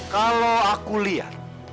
kalau aku lihat